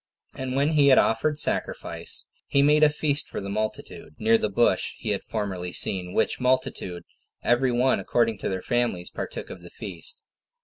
And when he had offered sacrifice, he made a feast for the multitude, near the Bush he had formerly seen; which multitude, every one according to their families, partook of the feast.